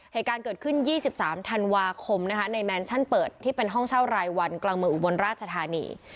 เหตุการณ์เกิดขึ้น๒๓ธันวาคมนะคะในแมนชั่นเปิดที่เป็นห้องเช่ารายวันกลางเมืองอุบลราชธานี